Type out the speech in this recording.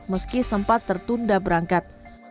meski sempat tertunda berangkat